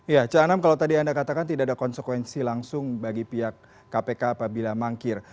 ya cak anam kalau tadi anda katakan tidak ada konsekuensi langsung bagi pihak kpk apabila mangkir